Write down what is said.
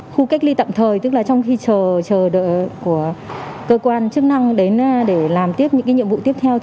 khu cách ly tậm thời tức là trong khi chờ đợi của cơ quan chức năng để làm tiếp những nhiệm vụ tiếp theo